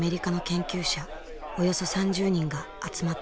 およそ３０人が集まっていた。